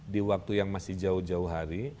di waktu yang masih jauh jauh hari